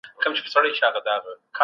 نصاب څنګه پوره کېږي؟